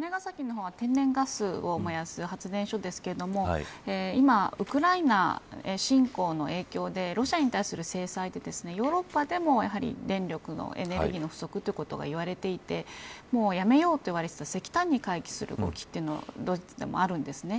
姉崎の方は天然ガスを燃やす発電所ですけれども今、ウクライナ侵攻の影響でロシアに対する制裁でヨーロッパでも、やはり電力のエネルギーの不足がいわれていてもうやめようと言われていた石炭に回帰する動きがドイツでもあるんですね。